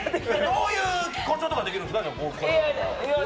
どういう誇張ができるんですか。